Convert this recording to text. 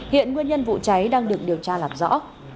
hiện nguyên nhân vụ cháy đang được tham gia